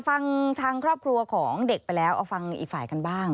ฟังทางครอบครัวของเด็กไปแล้วเอาฟังอีกฝ่ายกันบ้าง